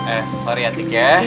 eh sorry ya tike